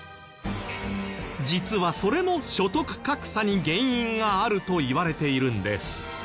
実はそれも所得格差に原因があるといわれているんです。